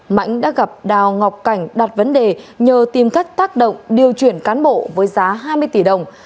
mãnh đã gặp đào ngọc cảnh đặt vấn đề nhờ tìm cách tác động điều chuyển cán bộ với giá hai mươi tỷ đồng